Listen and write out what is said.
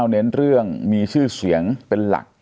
เน้นเรื่องมีชื่อเสียงเป็นหลัก